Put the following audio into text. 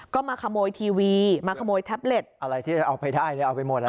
ก็มาขโมยทีวีมาขโมยแท็บเล็ตอะไรที่จะเอาไปได้เนี่ยเอาไปหมดอ่ะ